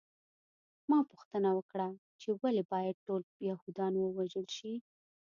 ما پوښتنه وکړه چې ولې باید ټول یهودان ووژل شي